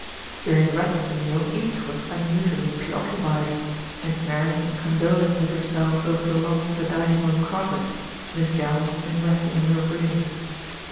During the rest of the meal each was unusually preoccupied, Miss Mary in condoling with herself over the loss of a dining room carpet, Miss Jell in wrestling with her breeding.